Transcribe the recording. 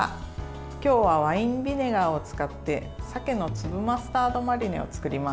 今日はワインビネガーを使って鮭の粒マスタードマリネを作ります。